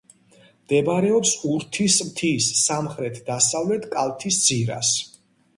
მდებარეობს ურთის მთის სამხრეთ-დასავლეთ კალთის ძირას.